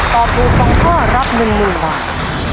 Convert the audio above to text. ตอบถูกสองข้อรับหนึ่งหมื่นบาท